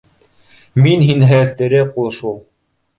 Мин һинһеҙ тере ҡул шул